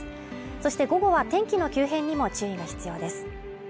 そして午後は天気の急変にも注意が必要です。